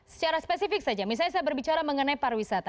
secara spesifik saja misalnya saya berbicara mengenai pariwisata